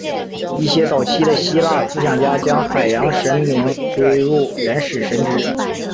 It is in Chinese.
一些早期的希腊思想家将海洋神明归入原始神只。